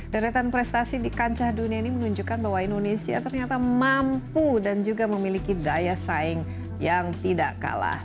deretan prestasi di kancah dunia ini menunjukkan bahwa indonesia ternyata mampu dan juga memiliki daya saing yang tidak kalah